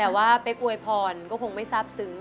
แต่ว่าเป็กอวยพรก็คงไม่ซับสึง